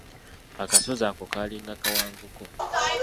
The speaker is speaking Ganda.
Akasozi ako kaalinga kawanvuko.